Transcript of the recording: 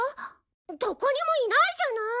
どこにもいないじゃない！